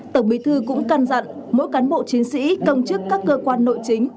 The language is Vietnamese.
tổng bí thư cũng căn dặn mỗi cán bộ chiến sĩ công chức các cơ quan nội chính